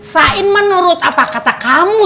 sain menurut apa kata kamu